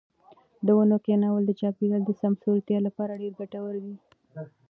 د ونو کښېنول د چاپیریال د سمسورتیا لپاره ډېر ګټور دي.